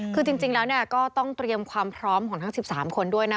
คือจริงแล้วก็ต้องเตรียมความพร้อมของทั้ง๑๓คนด้วยนะ